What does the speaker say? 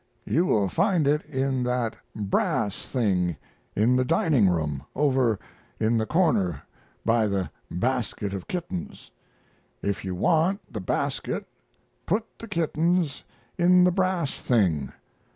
You will find it in that brass thing in the dining room over in the corner by the basket of kittens. If you want the basket put the kittens in the brass thing.